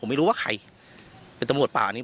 ตำรวจอีกหลายคนก็หนีออกจุดเกิดเหตุทันที